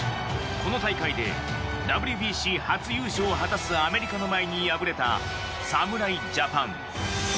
この大会でＷＢＣ初優勝を果たすアメリカの前に敗れた侍ジャパン。